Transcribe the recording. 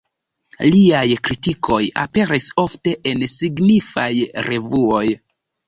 Liaj kritikoj aperis ofte en signifaj revuoj.